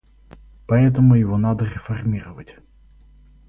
Поэтому его надо реформировать.